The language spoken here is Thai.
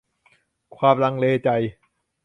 ความลังเลใจ